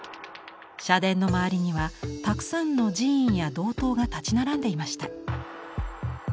社殿の周りにはたくさんの寺院や堂塔が立ち並んでいました。